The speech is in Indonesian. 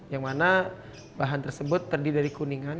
yang mana bahan tersebut terdiri dari kuningan